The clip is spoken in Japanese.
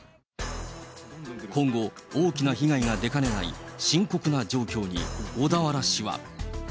今後、大きな被害が出かねない深刻な状況に、小田原市は。